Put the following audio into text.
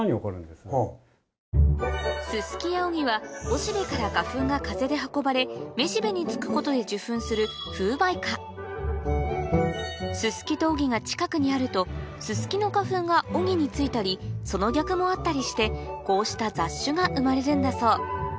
ススキやオギはおしべから花粉が風で運ばれめしべに付くことで受粉する風媒花ススキとオギが近くにあるとススキの花粉がオギに付いたりその逆もあったりしてこうした雑種が生まれるんだそう